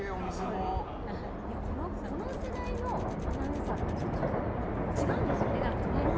この世代のアナウンサーたちとちょっと違うんですよね、何かね。